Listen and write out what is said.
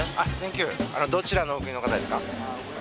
どちらのお国の方ですか？